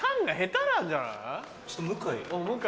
ちょっと向井。